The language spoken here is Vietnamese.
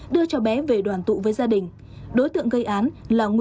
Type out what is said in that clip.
đưa cháu bé về đoàn tụ với gia đình